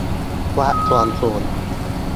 วัดส่วนสูง